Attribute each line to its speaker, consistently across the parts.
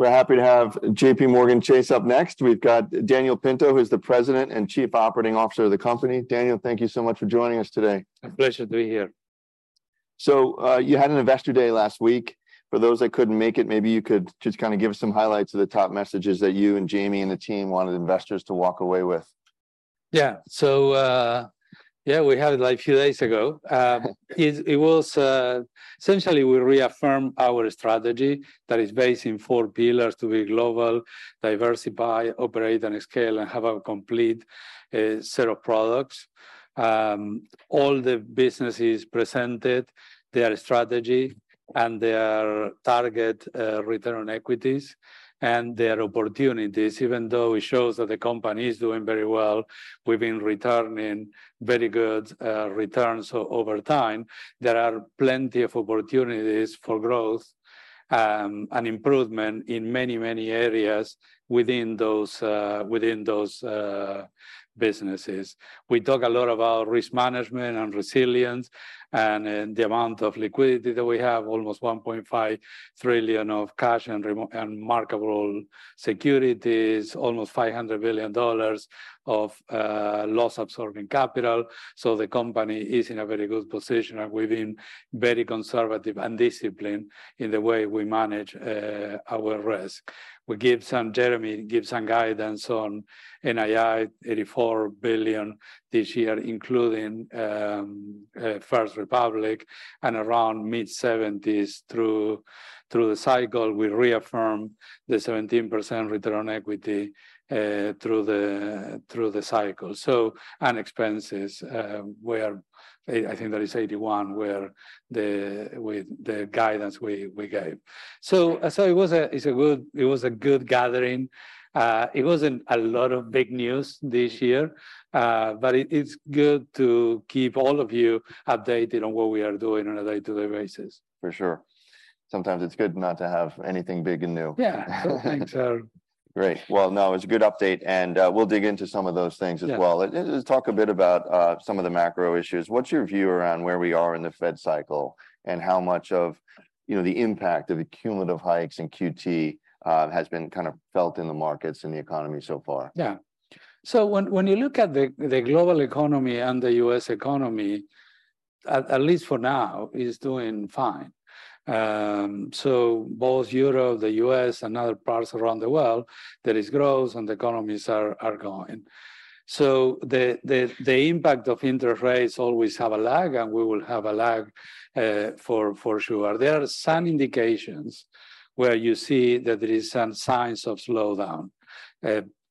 Speaker 1: We're happy to have JPMorgan Chase up next. We've got Daniel Pinto, who's the President and Chief Operating Officer of the company. Daniel, thank you so much for joining us today.
Speaker 2: A pleasure to be here.
Speaker 1: You had an Investor Day last week. For those that couldn't make it, maybe you could just kind of give us some highlights of the top messages that you, and Jeremy, and the team wanted investors to walk away with.
Speaker 2: Yeah. Yeah, we had it, like, a few days ago. It was, essentially, we reaffirmed our strategy that is based in four pillars: to be global, diversify, operate, and scale, and have a complete set of products. All the businesses presented their strategy, and their target return on equities, and their opportunities. Even though it shows that the company is doing very well, we've been returning very good returns over time. There are plenty of opportunities for growth, and improvement in many, many areas within those businesses. We talk a lot about risk management, and resilience, and the amount of liquidity that we have, almost $1.5 trillion of cash and marketable securities, almost $500 billion of loss-absorbing capital. The company is in a very good position. We've been very conservative and disciplined in the way we manage our risk. We give some. Jeremy gave some guidance on NII, $84 billion this year, including First Republic, and around mid-$70s billion through the cycle. We reaffirmed the 17% return on equity through the cycle. Expenses, where I think that is $81 billion, with the guidance we gave. It was a good gathering. It wasn't a lot of big news this year, but it's good to keep all of you updated on what we are doing on a day-to-day basis.
Speaker 1: For sure. Sometimes it's good not to have anything big and new.
Speaker 2: Yeah, some things.
Speaker 1: Great. Well, no, it's a good update, and we'll dig into some of those things as well.
Speaker 2: Yeah.
Speaker 1: Let's talk a bit about some of the macro issues. What's your view around where we are in the Fed cycle, and how much of, you know, the impact of the cumulative hikes in QT has been kind of felt in the markets and the economy so far?
Speaker 2: When you look at the global economy and the U.S. economy, at least for now, it's doing fine. Both Europe, the U.S., and other parts around the world, there is growth, and the economies are growing. The impact of interest rates always have a lag, and we will have a lag for sure. There are some indications where you see that there is some signs of slowdown.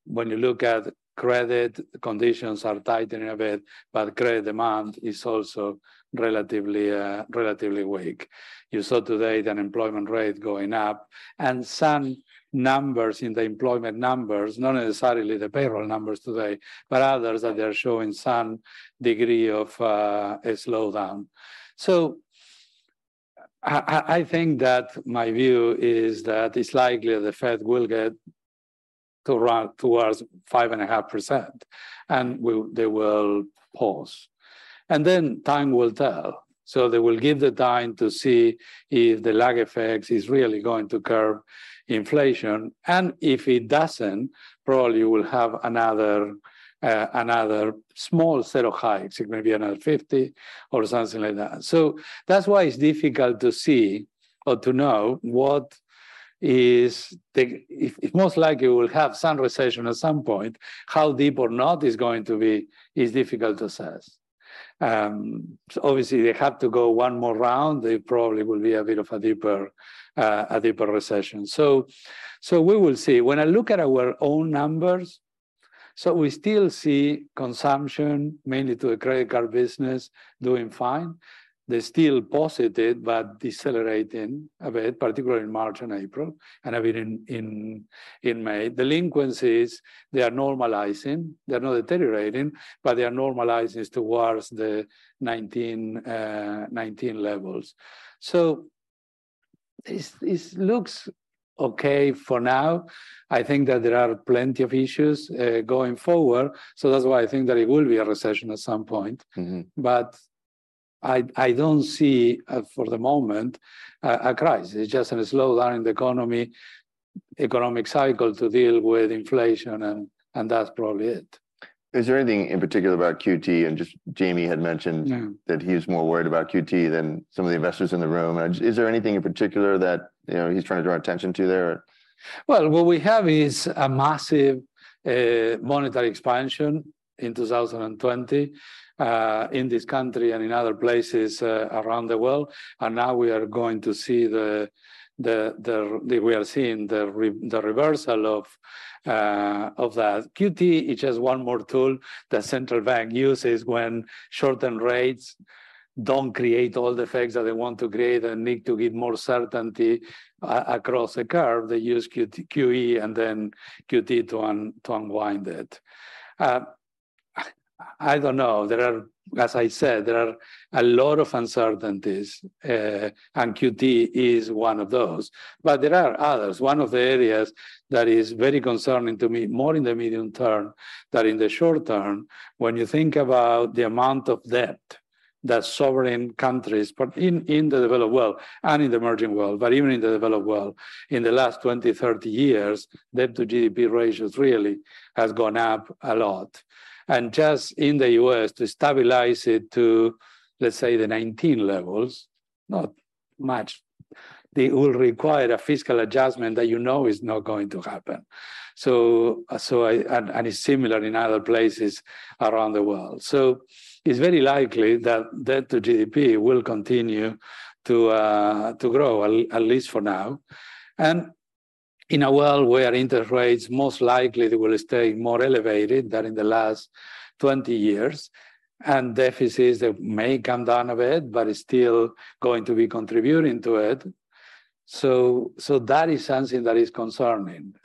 Speaker 2: When you look at credit, conditions are tightening a bit, but credit demand is also relatively weak. You saw today the unemployment rate going up, and some numbers in the employment numbers, not necessarily the payroll numbers today, but others, that they're showing some degree of a slowdown. I think that my view is that it's likely the Fed will get to around towards 5.5%, and they will pause, and then time will tell. They will give the time to see if the lag effects is really going to curb inflation, and if it doesn't, probably you will have another small set of hikes. It may be another 50 basis points or something like that. That's why it's difficult to see or to know what is the. It most likely will have some recession at some point. How deep or not it's going to be is difficult to assess. Obviously, they have to go one more round. They probably will be a bit of a deeper, a deeper recession. We will see. When I look at our own numbers, we still see consumption, mainly to a credit card business, doing fine. They're still positive, but decelerating a bit, particularly in March and April, and a bit in May. Delinquencies, they are normalizing. They're not deteriorating, but they are normalizes towards the 19 levels. It looks okay for now. I think that there are plenty of issues going forward, that's why I think that it will be a recession at some point.
Speaker 1: Mm-hmm.
Speaker 2: I don't see for the moment, a crisis. It's just a slowdown in the economic cycle to deal with inflation, and that's probably it.
Speaker 1: Is there anything in particular about QT? Just Jeremy had mentioned...
Speaker 2: Yeah...
Speaker 1: that he's more worried about QT than some of the investors in the room. Is there anything in particular that, you know, he's trying to draw attention to there or?
Speaker 2: Well, what we have is a massive monetary expansion in 2020, in this country and in other places, around the world. Now we are seeing the reversal of that. QT is just one more tool that central bank uses when short-term rates don't create all the effects that they want to create and need to give more certainty across the curve. They use QE and then QT to unwind it. I don't know. There are, as I said, there are a lot of uncertainties. QT is one of those, but there are others. One of the areas that is very concerning to me, more in the medium term than in the short term, when you think about the amount of debt that sovereign countries, but in the developed world and in the emerging world, but even in the developed world, in the last 20, 30 years, debt-to-GDP ratios really has gone up a lot. Just in the U.S., to stabilize it to, let's say, the 2019 levels, not much, it will require a fiscal adjustment that you know is not going to happen. I and it's similar in other places around the world. It's very likely that debt-to-GDP will continue to grow, at least for now. In a world where interest rates, most likely they will stay more elevated than in the last 20 years, and deficits may come down a bit, but it's still going to be contributing to it. That is something that is concerning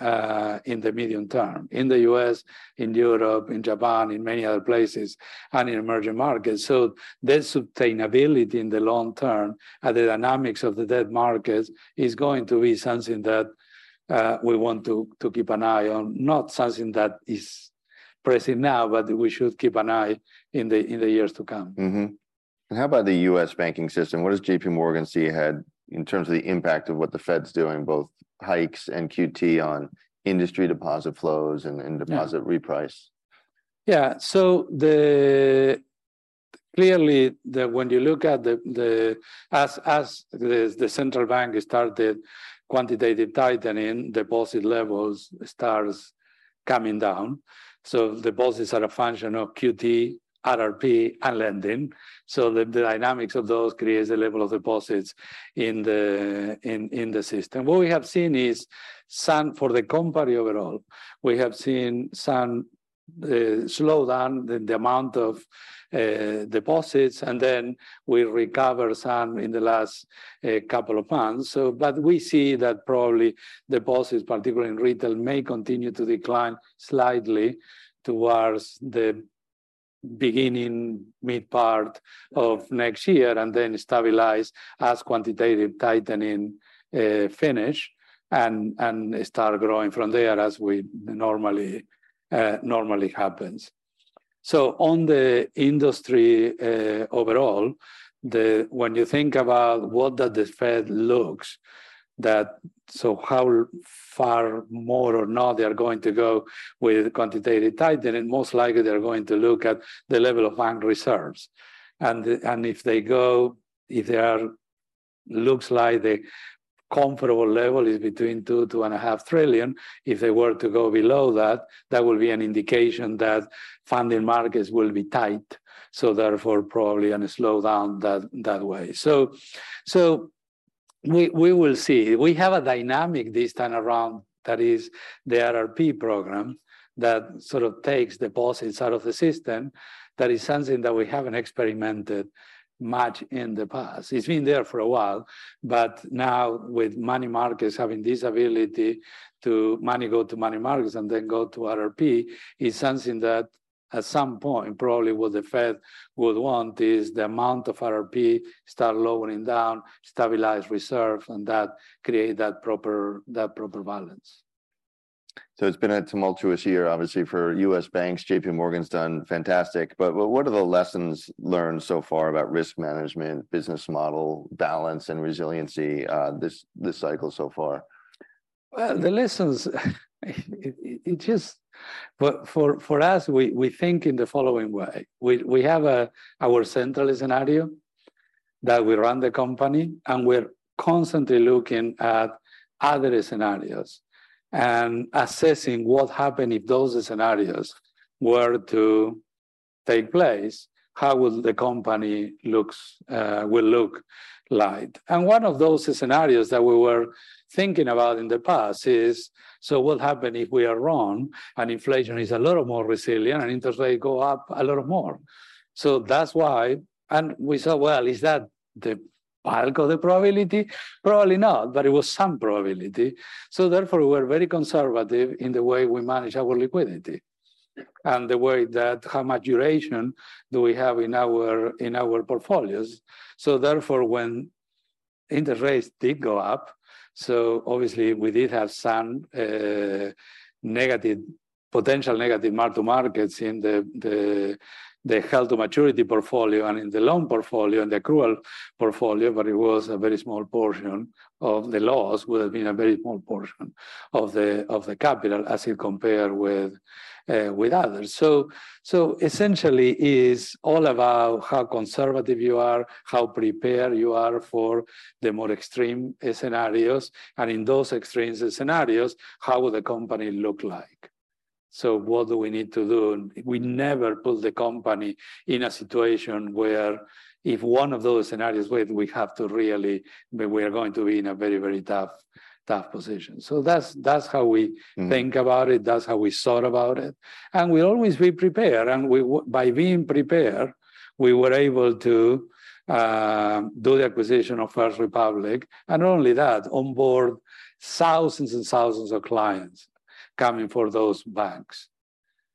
Speaker 2: in the medium term, in the U.S., in Europe, in Japan, in many other places, and in emerging markets. The sustainability in the long term and the dynamics of the debt markets is going to be something that we want to keep an eye on. Not something that is pressing now, but we should keep an eye in the years to come.
Speaker 1: How about the U.S. banking system? What does JPMorgan see ahead in terms of the impact of what the Fed's doing, both hikes and QT, on industry deposit flows?
Speaker 2: Yeah...
Speaker 1: deposit reprice?
Speaker 2: Yeah. Clearly, the... When you look at the, as the central bank started quantitative tightening, deposit levels starts coming down. Deposits are a function of QT, RRP, and lending. The dynamics of those creates a level of deposits in the system. What we have seen is some, for the company overall, we have seen some slowdown in the amount of deposits, and then we recover some in the last couple of months. But we see that probably deposits, particularly in retail, may continue to decline slightly towards the beginning, mid part of next year, and then stabilize as quantitative tightening finish and start growing from there, as we normally happens. On the industry, overall, when you think about what does the Fed looks, that so how far more or not they are going to go with quantitative tightening, most likely they are going to look at the level of bank reserves. If they are looks like the comfortable level is between $2 and a half trillion, if they were to go below that would be an indication that funding markets will be tight, therefore probably going to slow down that way. We will see. We have a dynamic this time around, that is the RRP program, that sort of takes deposits out of the system. That is something that we haven't experimented much in the past. It's been there for a while, but now with money markets having this ability to... money go to money markets and then go to RRP, is something that at some point, probably what the Fed would want, is the amount of RRP start lowering down, stabilize reserves, and that create that proper, that proper balance.
Speaker 1: It's been a tumultuous year, obviously, for U.S. banks. JPMorgan's done fantastic, but what are the lessons learned so far about risk management, business model, balance, and resiliency, this cycle so far?
Speaker 2: Well, the lessons, it is. For us, we think in the following way: We have our central scenario that we run the company, and we're constantly looking at other scenarios and assessing what happen if those scenarios were to take place, how will the company look like? One of those scenarios that we were thinking about in the past is, so what happen if we are wrong and inflation is a lot more resilient and interest rates go up a lot more? That's why. We said, "Well, is that the bulk of the probability?" Probably not, but it was some probability. Therefore, we were very conservative in the way we manage our liquidity and the way that, how much duration do we have in our portfolios. Therefore, when interest rates did go up, obviously we did have some potential negative mark-to-markets in the held-to-maturity portfolio and in the loan portfolio and the accrual portfolio, but it was a very small portion of the loss, would have been a very small portion of the capital as you compare with others. Essentially, it is all about how conservative you are, how prepared you are for the more extreme scenarios, and in those extreme scenarios, how will the company look like? What do we need to do? We never put the company in a situation where if one of those scenarios where we have to really where we are going to be in a very, very tough position. That's how we-.
Speaker 1: Mm...
Speaker 2: think about it, that's how we thought about it. We always be prepared. By being prepared, we were able to do the acquisition of First Republic, and not only that, onboard thousands and thousands of clients coming for those banks.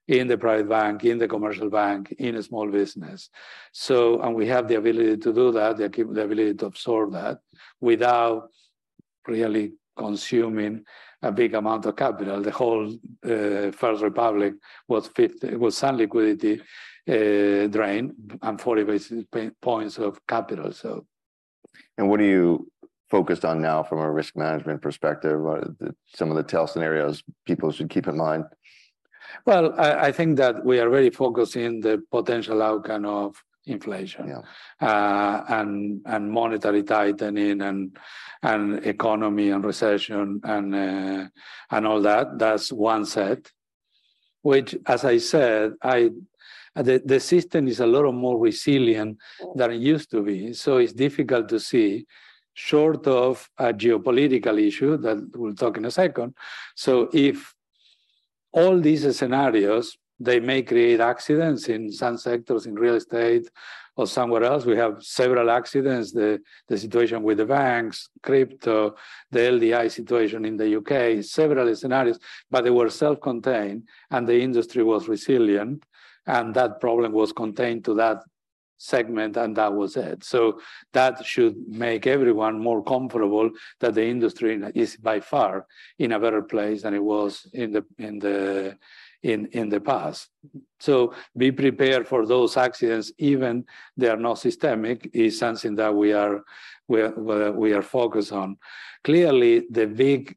Speaker 2: In the private bank, in the commercial bank, in a small business. We have the ability to do that, the ability to absorb that, without really consuming a big amount of capital. The whole First Republic was fifth. It was some liquidity drain and 40 basis points of capital.
Speaker 1: What are you focused on now from a risk management perspective? What are some of the tail scenarios people should keep in mind?
Speaker 2: Well, I think that we are very focused in the potential outcome of inflation...
Speaker 1: Yeah...
Speaker 2: and monetary tightening, and economy, and recession, and all that. That's one set, which, as I said, the system is a lot more resilient than it used to be, so it's difficult to see, short of a geopolitical issue that we'll talk in a second. If all these scenarios, they may create accidents in some sectors, in real estate or somewhere else. We have several accidents, the situation with the banks, crypto, the LDI situation in the U.K., several scenarios, but they were self-contained, and the industry was resilient, and that problem was contained to that segment, and that was it. That should make everyone more comfortable that the industry is by far in a better place than it was in the past. Be prepared for those accidents, even they are not systemic, is something that we are focused on. Clearly, the big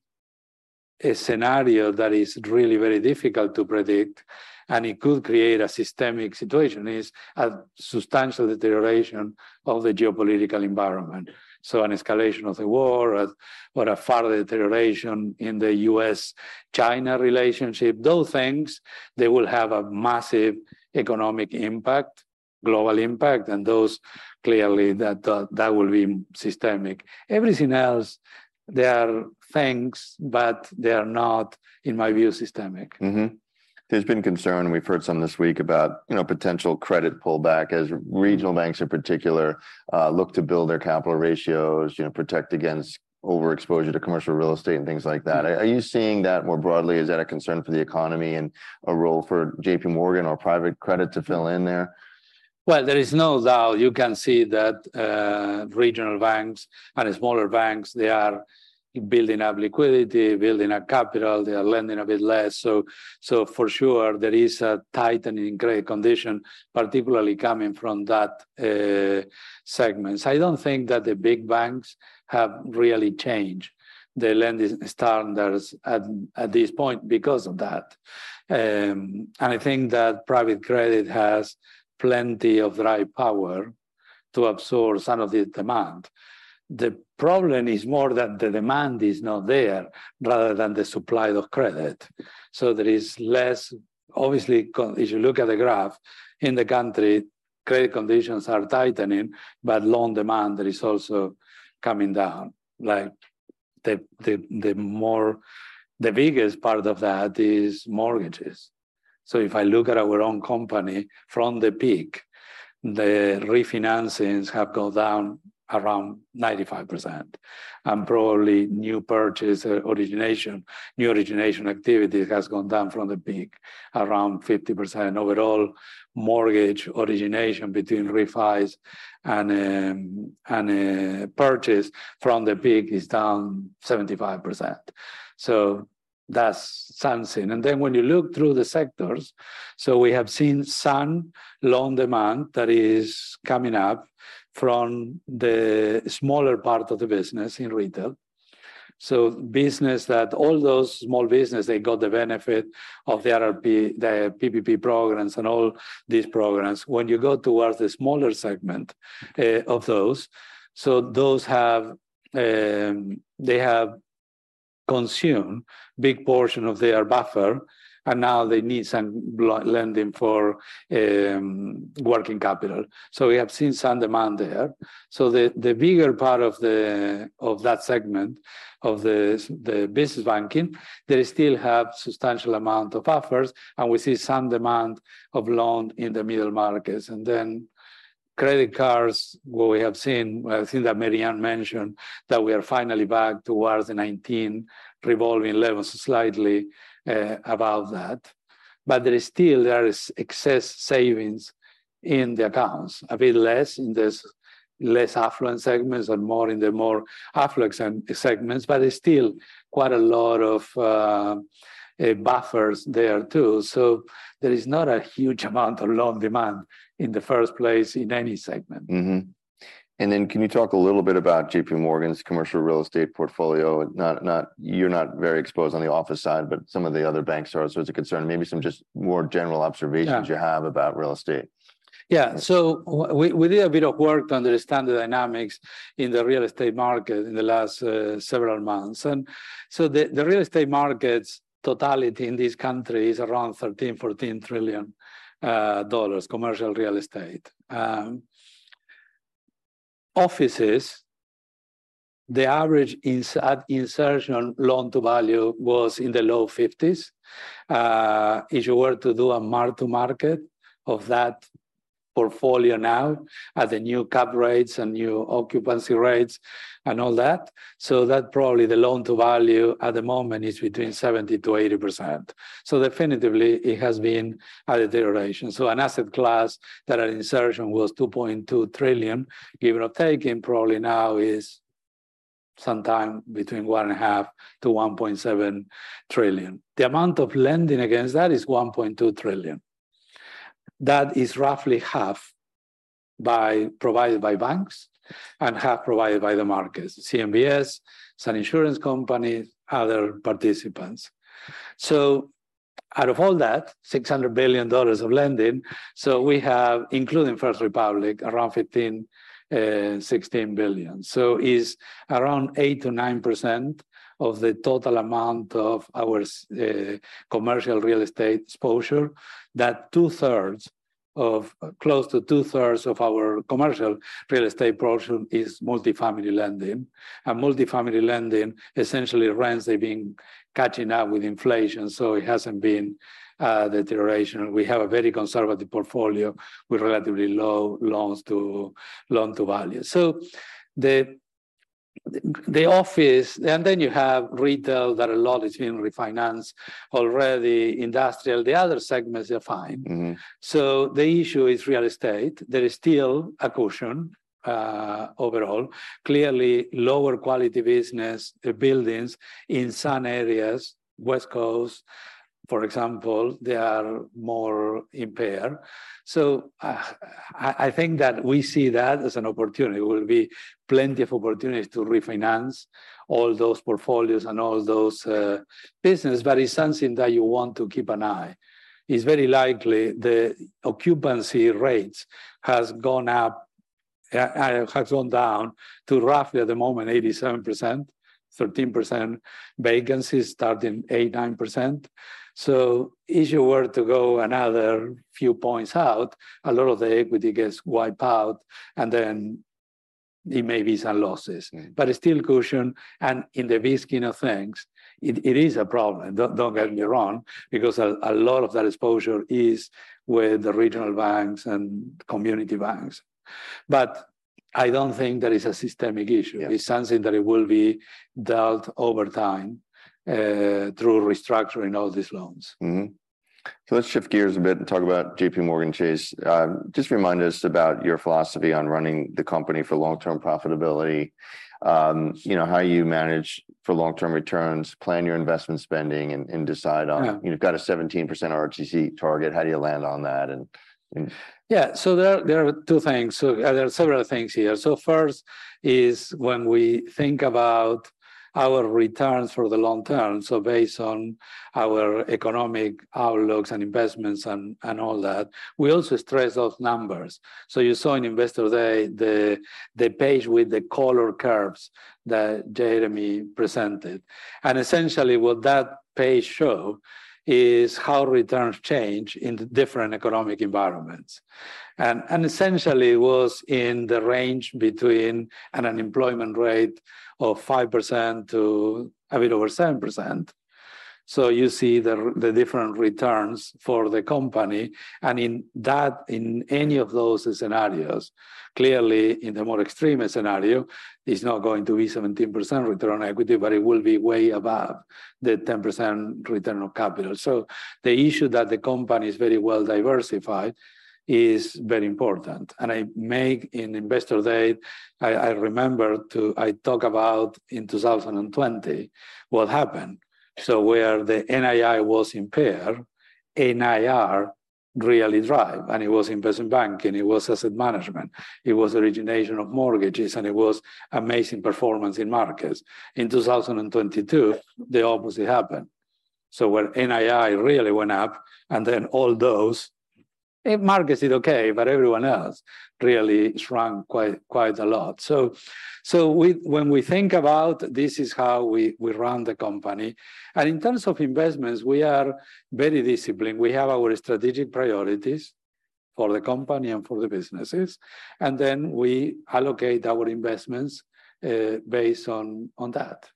Speaker 2: scenario that is really very difficult to predict, and it could create a systemic situation, is a substantial deterioration of the geopolitical environment. An escalation of the war or a further deterioration in the U.S.-China relationship, those things, they will have a massive economic impact, global impact, and those clearly, that will be systemic. Everything else, they are things, but they are not, in my view, systemic.
Speaker 1: There's been concern, we've heard some this week about, you know, potential credit pullback as regional banks, in particular, look to build their capital ratios, you know, protect against overexposure to commercial real estate and things like that. Are you seeing that more broadly? Is that a concern for the economy and a role for JPMorgan or private credit to fill in there?
Speaker 2: Well, there is no doubt. You can see that regional banks and smaller banks, they are building up liquidity, building up capital. They are lending a bit less. For sure, there is a tightening credit condition, particularly coming from that segments. I don't think that the big banks have really changed their lending standards at this point because of that. I think that private credit has plenty of dry power to absorb some of the demand. The problem is more that the demand is not there, rather than the supply of credit. There is less... Obviously, if you look at the graph in the country, credit conditions are tightening, but loan demand there is also coming down. Like, the biggest part of that is mortgages. If I look at our own company, from the peak, the refinancings have gone down around 95%, and probably new purchase origination, new origination activity has gone down from the peak, around 50%. Mortgage origination between refis and purchase from the peak is down 75%. That's something. When you look through the sectors, we have seen some loan demand that is coming up from the smaller part of the business in retail. Business that, all those small business, they got the benefit of the ERP, the PPP programs, and all these programs. When you go towards the smaller segment of those have, they have consumed big portion of their buffer, and now they need some lending for working capital. We have seen some demand there. The bigger part of the, of that segment, the business banking, they still have substantial amount of buffers, and we see some demand of loan in the middle markets. Credit cards, what we have seen, I think that Marianne Lake mentioned, that we are finally back towards the 19 revolving levels, slightly above that. There is still, there is excess savings in the accounts, a bit less in this less affluent segments and more in the more affluent segments, but there's still quite a lot of buffers there, too. There is not a huge amount of loan demand in the first place, in any segment.
Speaker 1: Mm-hmm. Can you talk a little bit about JPMorgan's commercial real estate portfolio? You're not very exposed on the office side, but some of the other banks are, so it's a concern. Maybe some just more general observations.
Speaker 2: Yeah
Speaker 1: you have about real estate.
Speaker 2: Yeah. We did a bit of work to understand the dynamics in the real estate market in the last several months. The real estate markets totality in this country is around $13 trillion-$14 trillion, commercial real estate. Offices, the average insertion loan-to-value was in the low fifties. If you were to do a mark to market of that portfolio now at the new cap rates and new occupancy rates and all that. That probably the loan-to-value at the moment is between 70%-80%. Definitively, it has been a deterioration. An asset class that at insertion was $2.2 trillion, give or take, and probably now is sometime between $1.5 trillion-$1.7 trillion. The amount of lending against that is $1.2 trillion. That is roughly half provided by banks and half provided by the markets, CMBS, some insurance companies, other participants. Out of all that, $600 billion of lending, we have, including First Republic, around $15 billion-$16 billion. Is around 8%-9% of the total amount of our commercial real estate exposure, that close to 2/3 of our commercial real estate portion is multifamily lending. Multifamily lending, essentially rents, they've been catching up with inflation, so it hasn't been deterioration. We have a very conservative portfolio with relatively low loans to loan-to-value. The office. Then you have retail, that a lot is being refinanced already. Industrial, the other segments are fine.
Speaker 1: Mm-hmm.
Speaker 2: The issue is real estate. There is still a cushion overall. Clearly, lower quality business, buildings in some areas, West Coast, for example, they are more impaired. I think that we see that as an opportunity. There will be plenty of opportunities to refinance all those portfolios and all those business, but it's something that you want to keep an eye. It's very likely the occupancy rates has gone down to roughly, at the moment, 87%, 13% vacancy, starting 8%, 9%. If you were to go another few points out, a lot of the equity gets wiped out, and then there may be some losses.
Speaker 1: Mm-hmm.
Speaker 2: It's still cushion, and in the big scheme of things, it is a problem. Don't get me wrong, because a lot of that exposure is with the regional banks and community banks. I don't think there is a systemic issue.
Speaker 1: Yeah.
Speaker 2: It's something that it will be dealt over time, through restructuring all these loans.
Speaker 1: Let's shift gears a bit and talk about JPMorgan Chase. just remind us about your philosophy on running the company for long-term profitability. you know, how you manage for long-term returns, plan your investment spending, and decide on.
Speaker 2: Yeah
Speaker 1: You've got a 17% ROCE target. How do you land on that?
Speaker 2: Yeah. There are two things. There are several things here. First is when we think about our returns for the long term, based on our economic outlooks and investments and all that, we also stress those numbers. You saw in Investor Day, the page with the color curves that Jeremy presented. Essentially, what that page show is how returns change in the different economic environments. Essentially, it was in the range between an unemployment rate of 5% to a bit over 7%. You see the different returns for the company, and in that, in any of those scenarios, clearly, in the more extreme scenario, it's not going to be 17% return on equity, but it will be way above the 10% return on capital. The issue that the company is very well diversified is very important, and I make in Investor Day, I remember I talk about in 2020 what happened. Where the NII was impaired, NIR really drive, and it was Investment Banking, it was Asset Management, it was Origination of Mortgages, and it was amazing performance in markets. In 2022, the opposite happened. Where NII really went up, and then all those markets did okay, but everyone else really shrunk quite a lot. When we think about this is how we run the company. In terms of investments, we are very disciplined. We have our strategic priorities for the company and for the businesses, and then we allocate our investments based on that.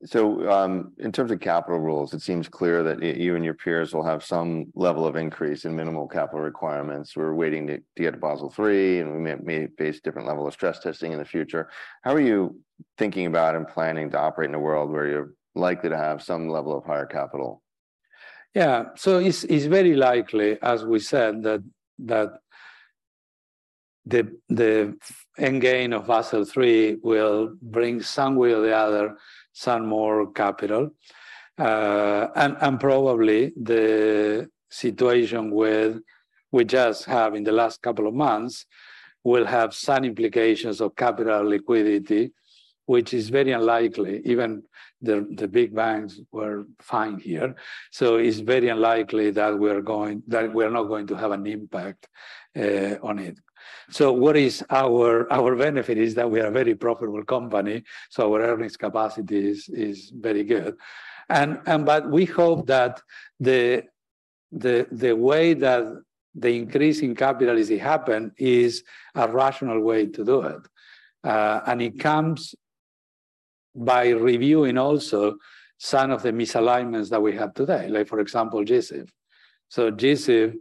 Speaker 1: In terms of capital rules, it seems clear that you and your peers will have some level of increase in minimal capital requirements. We're waiting to get to Basel III, we may face different level of stress testing in the future. How are you thinking about and planning to operate in a world where you're likely to have some level of higher capital?
Speaker 2: It's very likely, as we said, that the endgame of Basel III will bring some way or the other, some more capital. And probably the situation with we just have in the last couple of months, will have some implications of capital liquidity, which is very unlikely. Even the big banks were fine here, it's very unlikely that we're not going to have an impact on it. What is our benefit is that we are a very profitable company, our earnings capacity is very good. But we hope that the way that the increase in capital is happen, is a rational way to do it. And it comes by reviewing also some of the misalignments that we have today, like, for example, G-SIB. G-SIB,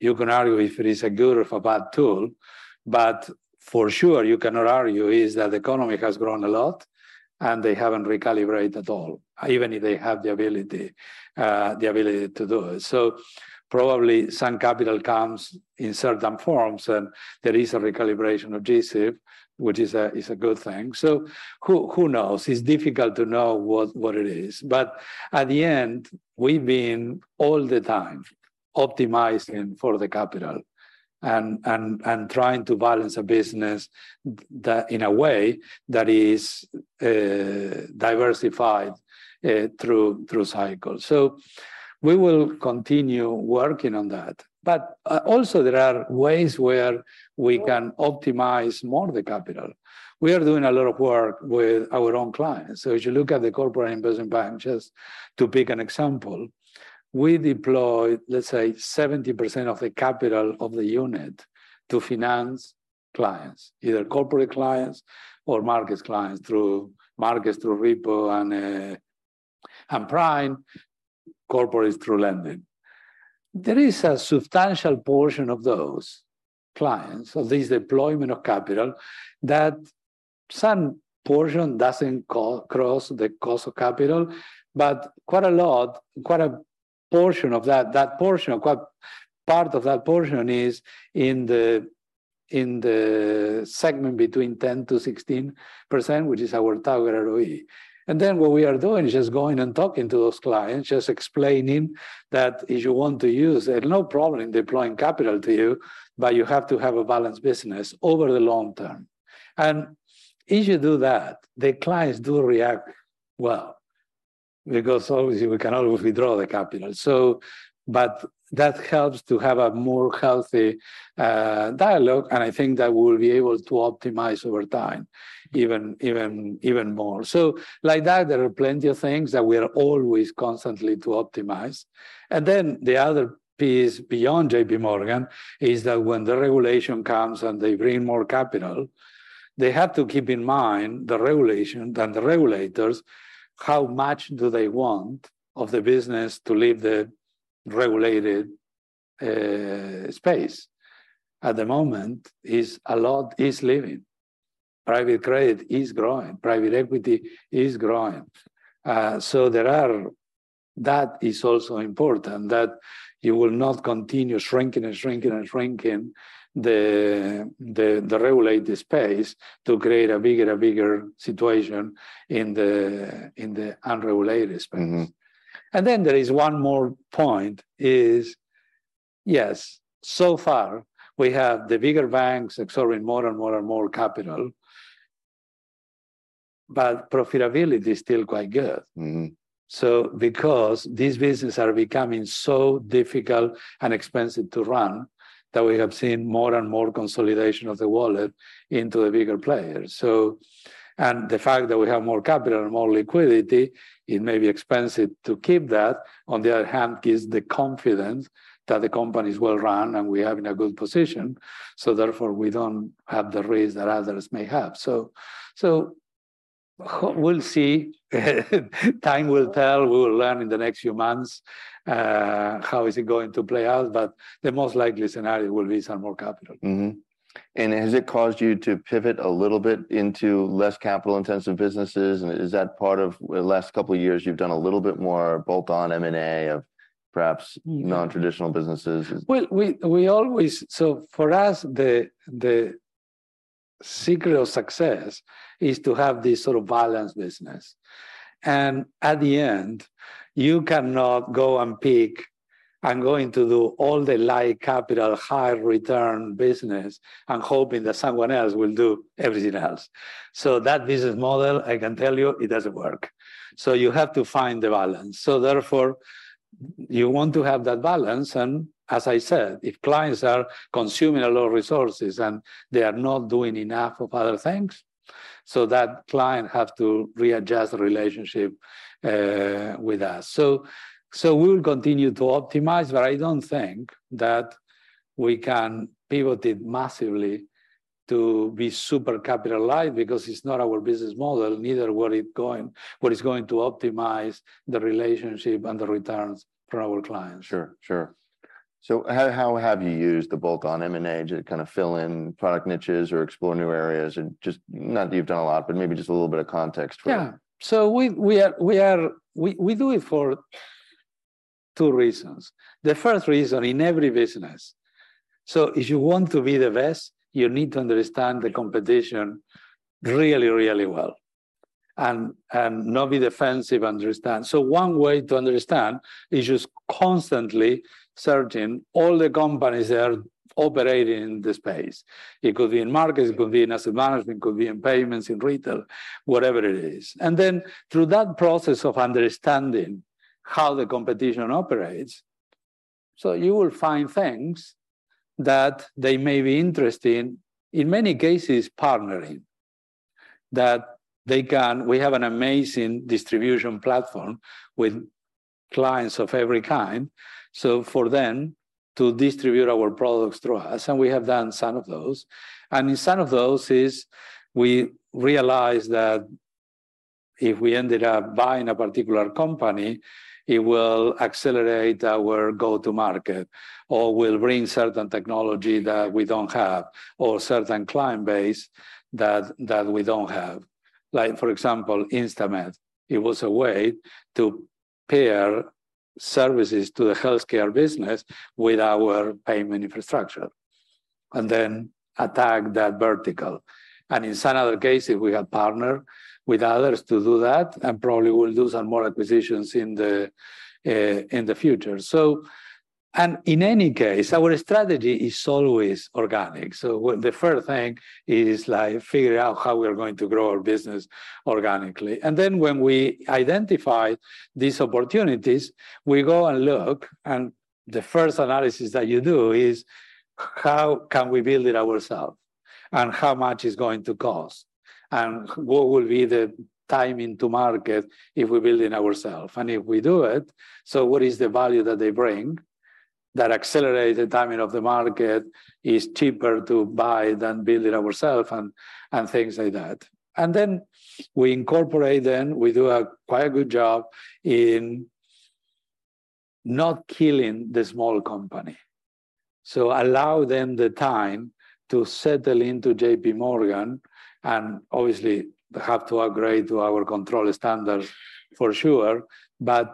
Speaker 2: you can argue if it is a good or a bad tool, but for sure, you cannot argue is that the economy has grown a lot, and they haven't recalibrated at all, even if they have the ability to do it. Probably, some capital comes in certain forms, and there is a recalibration of G-SIB, which is a good thing. Who knows? It's difficult to know what it is. At the end, we've been all the time optimizing for the capital and, trying to balance a business in a way that is diversified through cycles. We will continue working on that. Also there are ways where we can optimize more of the capital. We are doing a lot of work with our own clients. As you look at the Corporate & Investment Bank, just to pick an example, we deploy, let's say, 70% of the capital of the unit to finance clients, either corporate clients or markets clients, through markets, through repo, and prime corporates through lending. There is a substantial portion of those clients, of this deployment of capital, that some portion doesn't cross the cost of capital, but quite a lot, quite a portion of that portion, quite part of that portion is in the segment between 10%-16%, which is our target ROE. What we are doing is just going and talking to those clients, just explaining that if you want to use, there's no problem in deploying capital to you, but you have to have a balanced business over the long term. If you do that, the clients do react well because obviously we cannot withdraw the capital. That helps to have a more healthy dialogue, and I think that we will be able to optimize over time, even more. Like that, there are plenty of things that we are always constantly to optimize. The other piece beyond JP Morgan is that when the regulation comes and they bring more capital, they have to keep in mind, the regulation and the regulators, how much do they want of the business to leave the regulated space? At the moment, is a lot is leaving. Private credit is growing. Private equity is growing. That is also important, that you will not continue shrinking the regulated space to create a bigger and bigger situation in the unregulated space.
Speaker 1: Mm-hmm.
Speaker 2: There is one more point, is, yes, so far we have the bigger banks absorbing more and more and more capital, but profitability is still quite good.
Speaker 1: Mm-hmm.
Speaker 2: Because these businesses are becoming so difficult and expensive to run, that we have seen more and more consolidation of the wallet into the bigger players. And the fact that we have more capital and more liquidity, it may be expensive to keep that. On the other hand, gives the confidence that the company is well-run, and we are in a good position, so therefore, we don't have the risk that others may have. We'll see. Time will tell. We will learn in the next few months, how is it going to play out, but the most likely scenario will be some more capital.
Speaker 1: Mm-hmm. Has it caused you to pivot a little bit into less capital-intensive businesses? Is that part of the last couple of years, you've done a little bit more bolt-on M&A of...
Speaker 2: Mm-hmm
Speaker 1: non-traditional businesses?
Speaker 2: Well, we always For us, the secret of success is to have this sort of balanced business. At the end, you cannot go and pick, "I'm going to do all the light capital, high return business," and hoping that someone else will do everything else. That business model, I can tell you, it doesn't work. You have to find the balance. Therefore, you want to have that balance, and as I said, if clients are consuming a lot of resources, and they are not doing enough of other things, so that client have to readjust the relationship with us. We will continue to optimize, but I don't think that we can pivot it massively to be super capital light because it's not our business model, neither would it what is going to optimize the relationship and the returns for our clients.
Speaker 1: Sure, sure. How have you used the bolt-on M&A to kind of fill in product niches or explore new areas not that you've done a lot, but maybe just a little bit of context for it?
Speaker 2: Yeah. We do it for two reasons. The first reason, in every business, if you want to be the best, you need to understand the competition really, really well and not be defensive, understand. One way to understand is just constantly searching all the companies that are operating in the space. It could be in markets, it could be in asset management, could be in payments, in retail, whatever it is. Through that process of understanding how the competition operates, you will find things that they may be interesting, in many cases, partnering, that they can. We have an amazing distribution platform with clients of every kind. For them to distribute our products through us, we have done some of those. In some of those, we realized that if we ended up buying a particular company, it will accelerate our go-to-market, or will bring certain technology that we don't have, or certain client base that we don't have. Like, for example, InstaMed, it was a way to pair services to the healthcare business with our payment infrastructure, and then attack that vertical. In some other cases, we have partnered with others to do that, and probably we'll do some more acquisitions in the future. In any case, our strategy is always organic. The first thing is, like, figure out how we are going to grow our business organically. When we identify these opportunities, we go and look, and the first analysis that you do is: how can we build it ourselves? How much it's going to cost, and what will be the timing to market if we build it ourselves? If we do it, what is the value that they bring, that accelerate the timing of the market, is cheaper to buy than build it ourselves, and things like that. We incorporate them. We do a quite a good job in not killing the small company. Allow them the time to settle into JPMorgan, and obviously, they have to upgrade to our control standards, for sure. Give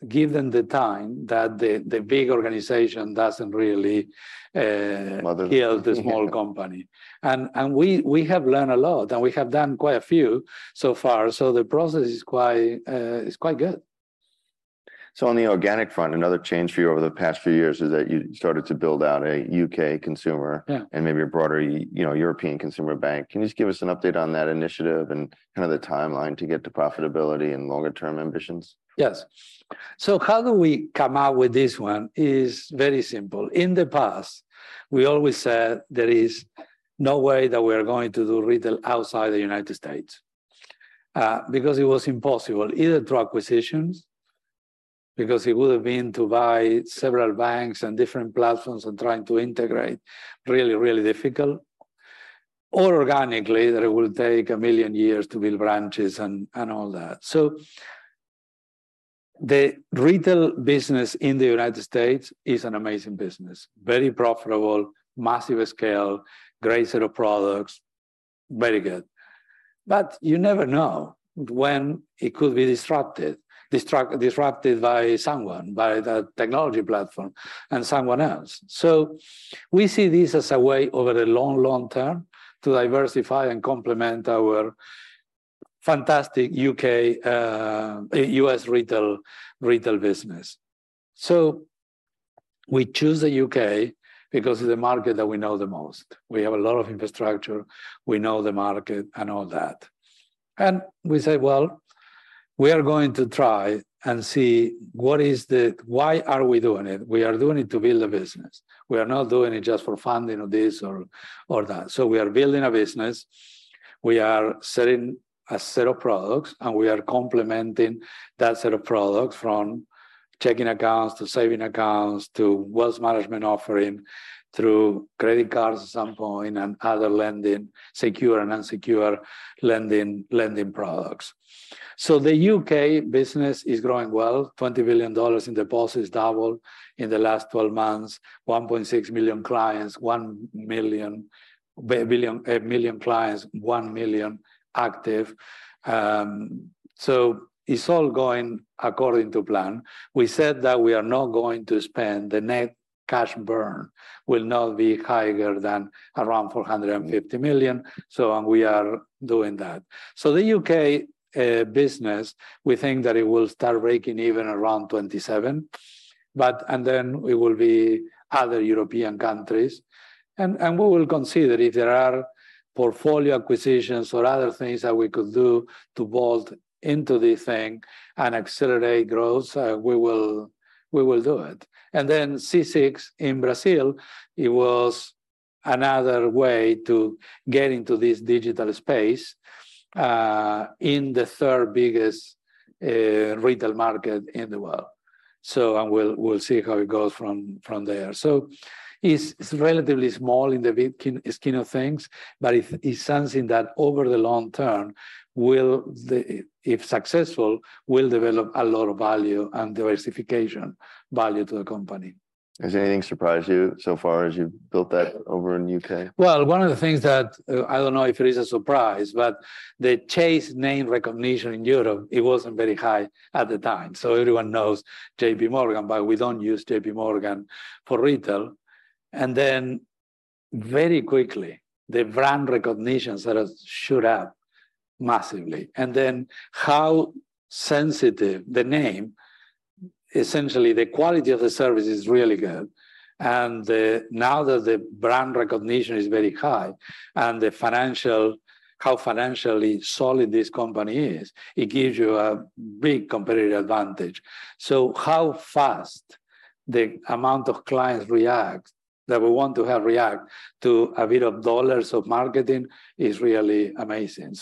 Speaker 2: them the time that the big organization doesn't really.
Speaker 1: Well, there....
Speaker 2: kill the small company. We have learned a lot, and we have done quite a few so far, so the process is quite, is quite good.
Speaker 1: On the organic front, another change for you over the past few years is that you started to build out a U.K. consumer...
Speaker 2: Yeah
Speaker 1: Maybe a broader, you know, European consumer bank. Can you just give us an update on that initiative and kind of the timeline to get to profitability and longer-term ambitions?
Speaker 2: How do we come out with this one is very simple. In the past, we always said there is no way that we are going to do retail outside the United States, because it was impossible, either through acquisitions, because it would have been to buy several banks and different platforms and trying to integrate, really, really difficult. Organically, that it will take 1 million years to build branches and, all that. The retail business in the United States is an amazing business, very profitable, massive scale, great set of products, very good. You never know when it could be disrupted by someone, by the technology platform and someone else. We see this as a way, over the long, long term, to diversify and complement our fantastic UK, US retail business. We choose the U.K. because it's the market that we know the most. We have a lot of infrastructure. We know the market and all that. We say: Well, we are going to try and see what is the... Why are we doing it? We are doing it to build a business. We are not doing it just for fun, you know, this or that. We are building a business. We are selling a set of products. We are complementing that set of products, from checking accounts to saving accounts to wealth management offering through credit cards at some point, and other lending, secure and unsecure lending products. The U.K. business is growing well. $20 billion in deposits doubled in the last 12 months, 1.6 million clients, 1 million clients, 1 million active. It's all going according to plan. We said that we are not going to spend, the net cash burn will not be higher than around $450 million, we are doing that. The U.K. business, we think that it will start breaking even around 2027, then it will be other European countries. We will consider if there are portfolio acquisitions or other things that we could do to bolt into this thing and accelerate growth, we will do it. C6 in Brazil, it was another way to get into this digital space, in the third-biggest retail market in the world. We'll see how it goes from there. It's, it's relatively small in the big scheme of things, but it's something that, over the long term, will, if successful, will develop a lot of value and diversification value to the company.
Speaker 1: Has anything surprised you so far as you've built that over in the U.K.?
Speaker 2: One of the things that, I don't know if it is a surprise, but the Chase name recognition in Europe, it wasn't very high at the time. Everyone knows JPMorgan, but we don't use JPMorgan for retail. Very quickly, the brand recognition started to shoot up massively, and then how sensitive the name... Essentially, the quality of the service is really good, and now that the brand recognition is very high and the financial- how financially solid this company is, it gives you a big competitive advantage. How fast the amount of clients that we want to have react to a bit of dollars of marketing is really amazing.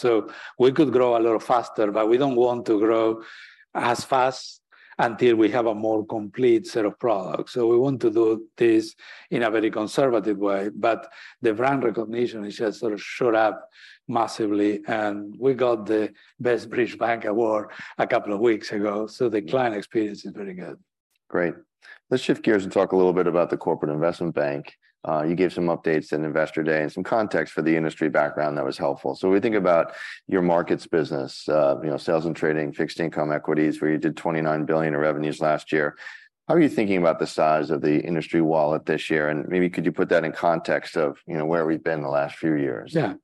Speaker 2: We could grow a lot faster, but we don't want to grow as fast until we have a more complete set of products. We want to do this in a very conservative way, but the brand recognition has just sort of showed up massively, and we got the Best British Bank award a couple of weeks ago, so the client.
Speaker 1: Yeah
Speaker 2: Experience is very good.
Speaker 1: Great. Let's shift gears and talk a little bit about the Corporate & Investment Bank. You gave some updates at Investor Day and some context for the industry background that was helpful. When we think about your markets business, you know, sales and trading, fixed income equities, where you did $29 billion in revenues last year, how are you thinking about the size of the industry wallet this year? Maybe could you put that in context of, you know, where we've been the last few years?
Speaker 2: Yeah.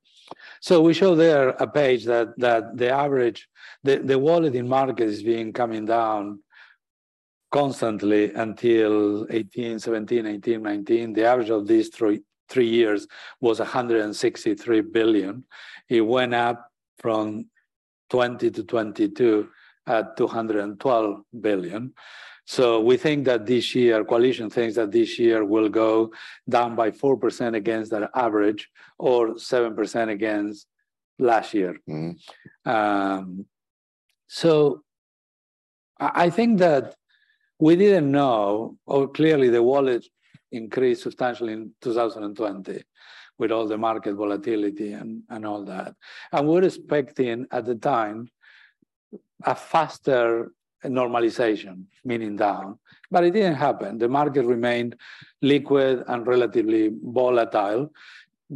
Speaker 2: We show there a page that the wallet in market has been coming down constantly until 2018, 2017, 2018, 2019. The average of these three years was $163 billion. It went up from 2020 to 2022, at $212 billion. We think that Coalition thinks that this year will go down by 4% against that average or 7% against last year.
Speaker 1: Mm-hmm.
Speaker 2: I think that we didn't know, or clearly, the wallet increased substantially in 2020 with all the market volatility and all that. We're expecting, at the time, a faster normalization, meaning down, but it didn't happen. The market remained liquid and relatively volatile.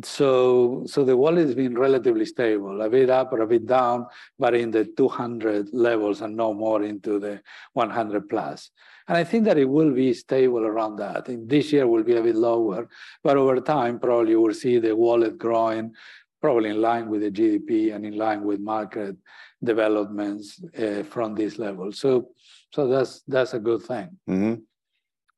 Speaker 2: The wallet has been relatively stable, a bit up or a bit down, but in the 200 levels and no more into the 100+, and I think that it will be stable around that. I think this year will be a bit lower, but over time, probably you will see the wallet growing, probably in line with the GDP and in line with market developments from this level. That's a good thing.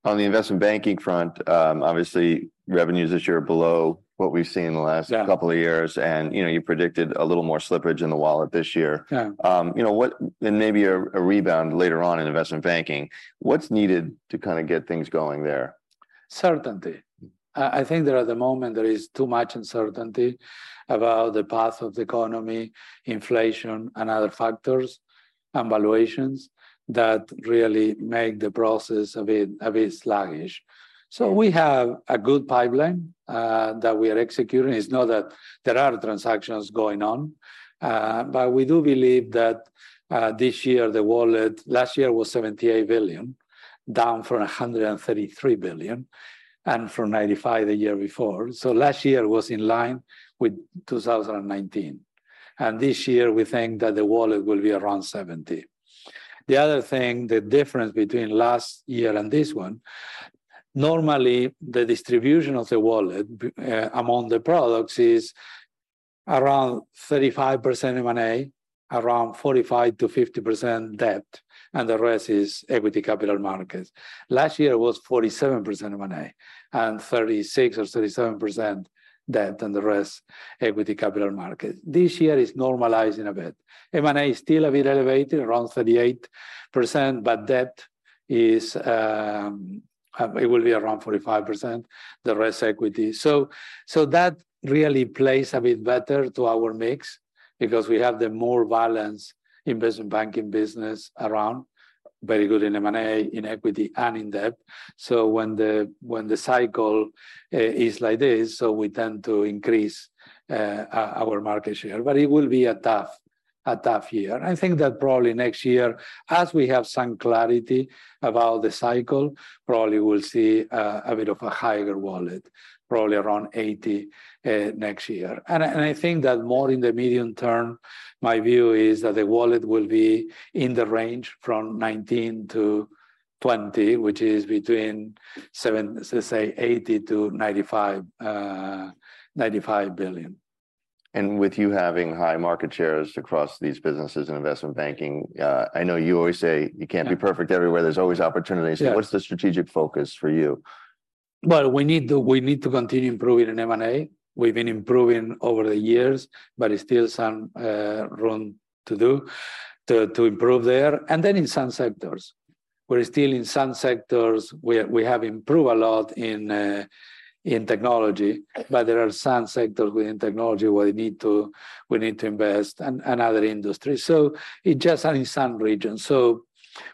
Speaker 1: On the Investment Banking front, obviously, revenues this year are below what we've seen in the last-.
Speaker 2: Yeah...
Speaker 1: couple of years, and, you know, you predicted a little more slippage in the wallet this year.
Speaker 2: Yeah.
Speaker 1: You know a rebound later on in Investment Banking. What's needed to kind of get things going there?
Speaker 2: Certainty. I think that at the moment, there is too much uncertainty about the path of the economy, inflation, and other factors, and valuations that really make the process a bit sluggish.
Speaker 1: Yeah.
Speaker 2: We have a good pipeline, that we are executing. It's not that there are transactions going on, we do believe that, this year, the wallet... Last year was $78 billion, down from $133 billion and from $95 billion the year before. Last year was in line with 2019, and this year we think that the wallet will be around $70 billion. The other thing, the difference between last year and this one, normally, the distribution of the wallet among the products is around 35% M&A, around 45%-50% debt, and the rest is equity capital markets. Last year, it was 47% M&A and 36% or 37% debt, and the rest, equity capital market. This year is normalizing a bit. M&A is still a bit elevated, around 38%, but debt is, it will be around 45%, the rest equity. That really plays a bit better to our mix because we have the more balanced investment banking business around, very good in M&A, in equity, and in debt. When the cycle is like this, we tend to increase our market share, but it will be a tough year. I think that probably next year, as we have some clarity about the cycle, probably we'll see a bit of a higher wallet, probably around $80 billion next year. I think that more in the medium term, my view is that the wallet will be in the range from 19%-20%, which is between let's say $80 billion-$95 billion.
Speaker 1: With you having high market shares across these businesses in Investment Banking, I know you always say-
Speaker 2: Yeah
Speaker 1: you can't be perfect everywhere. There's always opportunities.
Speaker 2: Yeah.
Speaker 1: What's the strategic focus for you?
Speaker 2: We need to continue improving in M&A. We've been improving over the years, but there's still some room to do, to improve there, and then in some sectors. We're still in some sectors, where we have improved a lot in technology, but there are some sectors within technology where we need to invest, and other industries. In some regions.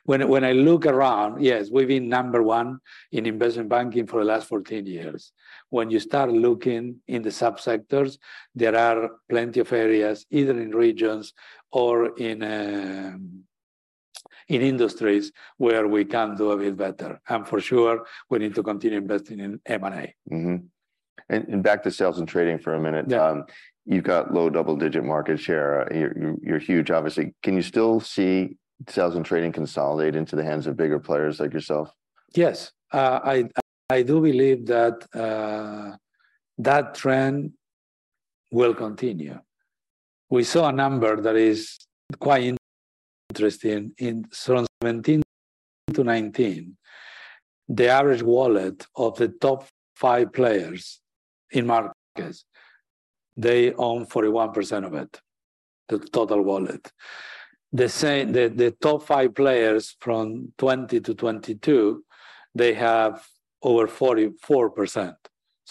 Speaker 2: When I look around, yes, we've been number one in Investment Banking for the last 14 years. When you start looking in the sub-sectors, there are plenty of areas, either in regions or in industries, where we can do a bit better. For sure, we need to continue investing in M&A.
Speaker 1: Mm-hmm. Back to sales and trading for a minute.
Speaker 2: Yeah.
Speaker 1: You've got low double-digit market share. You're huge, obviously. Can you still see sales and trading consolidate into the hands of bigger players like yourself?
Speaker 2: Yes. I do believe that trend will continue. We saw a number that is quite interesting. In from 2017 to 2019, the average wallet of the top five players in markets, they own 41% of it. The total wallet. The same, the top five players from 2020 to 2022, they have over 44%.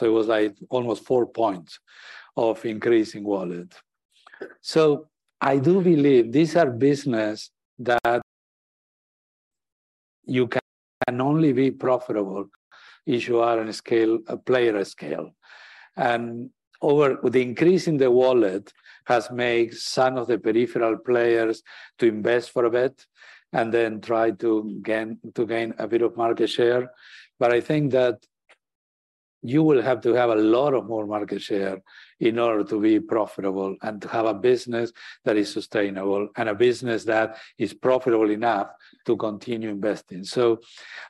Speaker 2: It was like almost 4 points of increasing wallet. I do believe these are business that you can only be profitable if you are on a scale, a player of scale. Over, with the increase in the wallet has made some of the peripheral players to invest for a bit, and then try to gain a bit of market share. I think that you will have to have a lot of more market share in order to be profitable, and to have a business that is sustainable, and a business that is profitable enough to continue investing.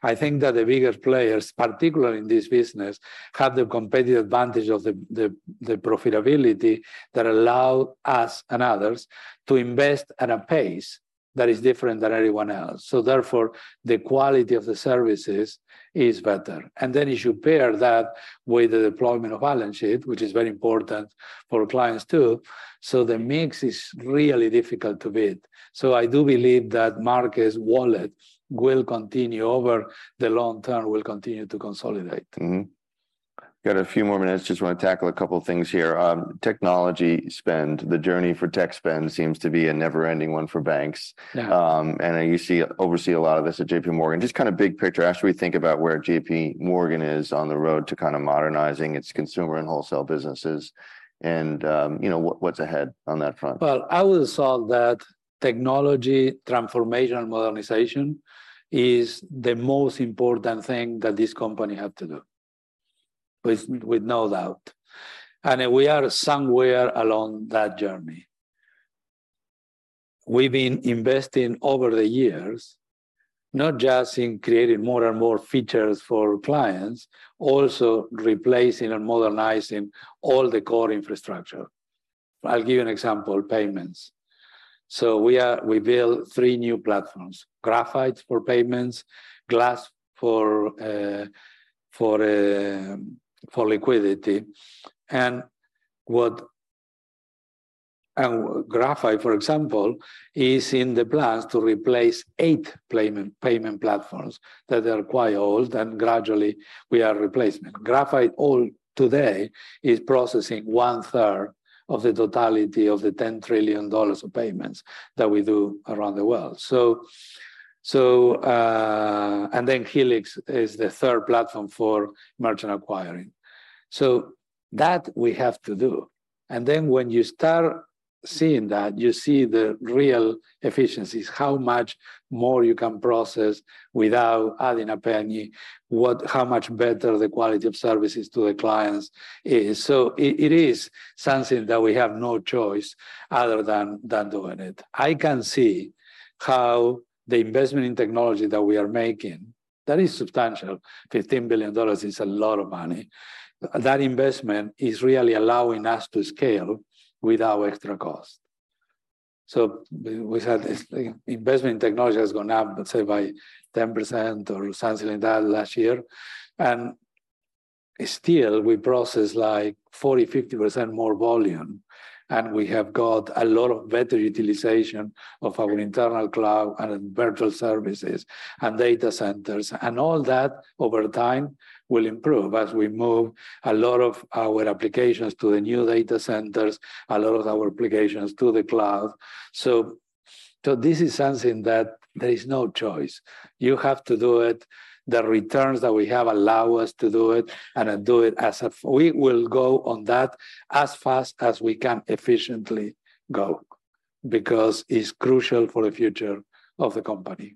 Speaker 2: I think that the bigger players, particularly in this business, have the competitive advantage of the profitability that allow us and others to invest at a pace that is different than anyone else. Therefore, the quality of the services is better. Then if you pair that with the deployment of balance sheet, which is very important for clients too, the mix is really difficult to beat. I do believe that market wallet will continue over the long term, will continue to consolidate.
Speaker 1: Got a few more minutes. Just want to tackle a couple of things here. Technology spend, the journey for tech spend seems to be a never-ending one for banks.
Speaker 2: Yeah.
Speaker 1: You oversee a lot of this at JPMorgan. Just kind of big picture, as we think about where JPMorgan is on the road to kind of modernizing its consumer and wholesale businesses, and, you know, what's ahead on that front?
Speaker 2: Well, I will say that technology transformation and modernization is the most important thing that this company have to do, with no doubt. We are somewhere along that journey. We've been investing over the years, not just in creating more and more features for clients, also replacing and modernizing all the core infrastructure. I'll give you an example, payments. We built three new platforms: Graphite for payments, GLASS for liquidity. Graphite, for example, is in the plans to replace eight payment platforms that are quite old. Gradually, we are replacing them. Graphite, all today, is processing 1/3 of the totality of the $10 trillion of payments that we do around the world. Helix is the third platform for merchant acquiring. That we have to do, and then when you start seeing that, you see the real efficiencies, how much more you can process without adding a penny, how much better the quality of services to the clients is. It is something that we have no choice other than doing it. I can see how the investment in technology that we are making, that is substantial, $15 billion is a lot of money. That investment is really allowing us to scale without extra cost. Investment in technology has gone up, let's say, by 10% or something like that last year, and still we process, like, 40%, 50% more volume, and we have got a lot of better utilization of our internal cloud and virtual services and data centers. All that, over time, will improve as we move a lot of our applications to the new data centers, a lot of our applications to the cloud. This is something that there is no choice. You have to do it. The returns that we have allow us to do it and do it as if we will go on that as fast as we can efficiently go, because it's crucial for the future of the company.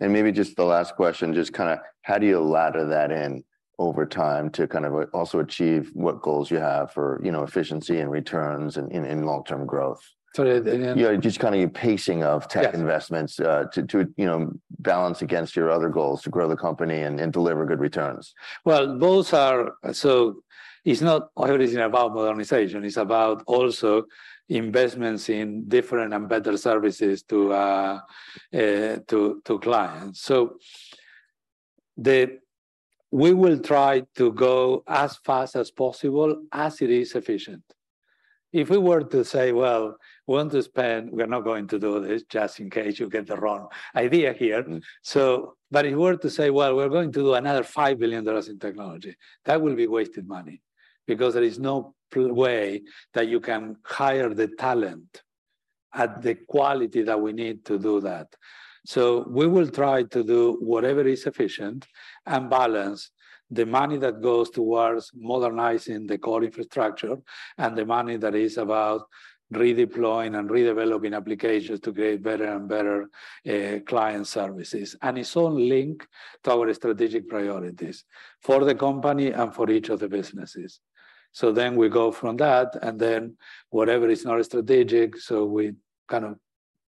Speaker 1: Maybe just the last question, just kind of how do you ladder that in over time to kind of also achieve what goals you have for, you know, efficiency and returns and long-term growth?
Speaker 2: So the-
Speaker 1: Yeah, just kind of your pacing of tech investments, to, you know, balance against your other goals, to grow the company and deliver good returns.
Speaker 2: It's not only about modernization, it's about also investments in different and better services to clients. We will try to go as fast as possible, as it is efficient. If we were to say, "Well, we want to spend..." We're not going to do this, just in case you get the wrong idea here.
Speaker 1: Mm.
Speaker 2: If we were to say, "Well, we're going to do another $5 billion in technology," that will be wasted money because there is no way that you can hire the talent at the quality that we need to do that. We will try to do whatever is efficient and balance the money that goes towards modernizing the core infrastructure and the money that is about redeploying and redeveloping applications to create better and better client services. It's all linked to our strategic priorities for the company and for each of the businesses. We go from that, and then whatever is not strategic, we kind of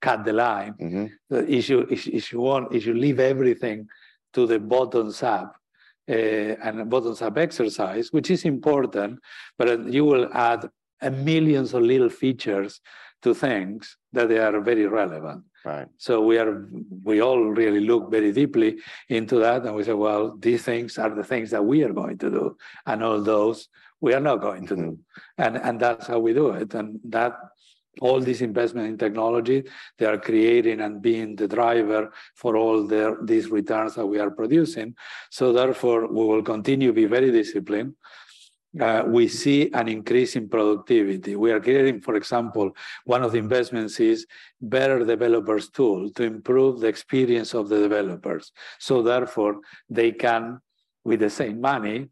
Speaker 2: cut the line.
Speaker 1: Mm-hmm.
Speaker 2: The issue, if you want, if you leave everything to the bottom up, and bottom-up exercise, which is important, but you will add a millions of little features to things that they are very relevant.
Speaker 1: Right.
Speaker 2: We all really look very deeply into that, and we say, "Well, these things are the things that we are going to do, and all those, we are not going to do.
Speaker 1: Mm.
Speaker 2: That's how we do it. That, all this investment in technology, they are creating and being the driver for all these returns that we are producing. Therefore, we will continue to be very disciplined. We see an increase in productivity. We are getting, for example, one of the investments is better developers tool to improve the experience of the developers. Therefore, they can, with the same money,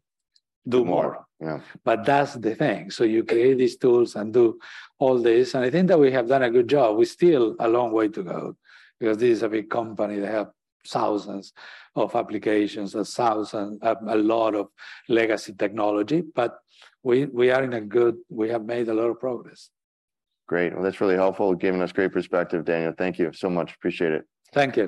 Speaker 2: do more.
Speaker 1: More, yeah.
Speaker 2: That's the thing. You create these tools and do all this, and I think that we have done a good job. We still a long way to go because this is a big company. They have thousands of applications and a lot of legacy technology. We have made a lot of progress.
Speaker 1: Great. Well, that's really helpful. Giving us great perspective, Daniel. Thank so much. Appreciate it.
Speaker 2: Thank you.